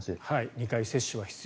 ２回の接種が必要